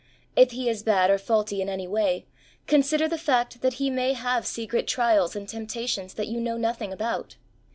If he is bad or faulty in any way, consider the fact that he may have secret trials and temptations that you know nothing about.